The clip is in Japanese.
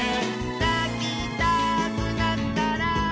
「なきたくなったら」